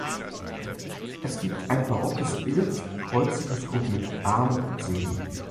Es gibt ein barockes Bild Kreuzigungsgruppe mit Armen Seelen.